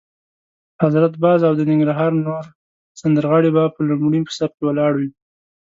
حضرت باز او د ننګرهار نور سندرغاړي به په لومړي صف کې ولاړ وي.